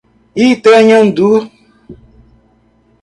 Itanhandu